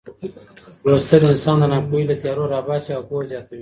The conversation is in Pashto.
لوستل انسان د ناپوهۍ له تیارو راباسي او پوهه زیاتوي.